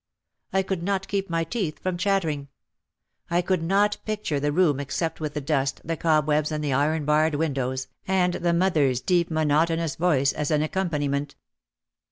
I could not keep my teeth from chattering. I could not picture the room except with the dust, the cobwebs and the iron barred windows, and the mother's deep monotonous voice as an accom paniment.